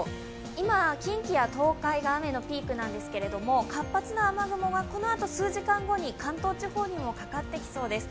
今近畿や東海が雨のピークなんですけれども、このあと、活発な雨雲がこのあと数時間後に関東地方にもかかってきそうです。